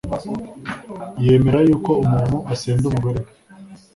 yemera yuko umuntu asenda umugore we